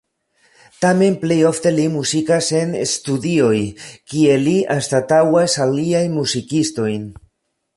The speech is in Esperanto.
Tamen plej ofte li muzikas en studioj, kie li anstataŭas aliajn muzikistojn.